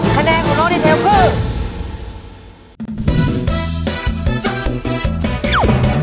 คะแนนของน้องดีเทลคือ